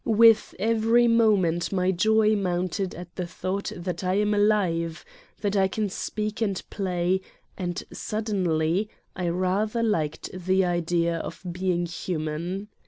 With every moment my joy mounted at the thought that I am alive, that I can speak and play and, suddenly, I rather liked the idea of being human.